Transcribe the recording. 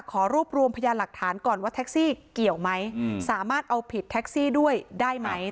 ขอรวบรวมพยานหลักฐานก่อนว่าแท็กซี่เกี่ยวไหมสามารถเอาผิดแท็กซี่ด้วยได้ไหม